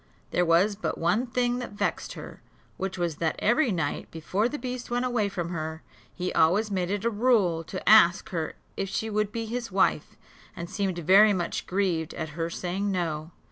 There was but one thing that vexed her; which was that every night, before the beast went away from her, he always made it a rule to ask her if she would be his wife, and seemed very much grieved at her saying no.